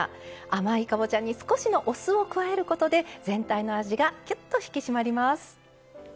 甘いかぼちゃに少しのお酢を加えることで全体の味がきゅっと引き締まります。